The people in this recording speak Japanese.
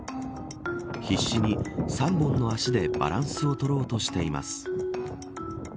必死に３本の足でバランスを取ろうとしています。